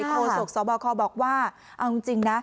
โศกสบคบอกว่าเอาจริงนะ